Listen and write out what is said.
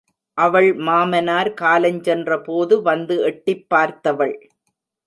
அவள் மாமனார் காலஞ்சென்ற போது வந்து எட்டிப் பார்த்தவள்.